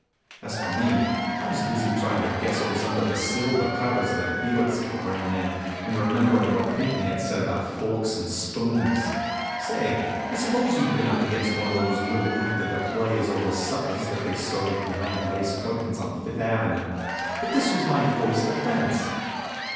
As for me, I was busy tryin' to guess what was under the silver covers that Felix kept bringin' in, and rememberin' what Pinckney had said about forks and spoons. Say, I suppose you've been up against one of those little after the play is over suppers that they serve behind the lace curtains on Fifth ave.; but this was my first offense.